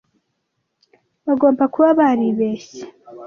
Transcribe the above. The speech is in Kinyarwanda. Bagomba kuba baribeshye.